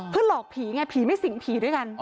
คือหลอกผีไงผีไม่สิ่งผีด้วยกัน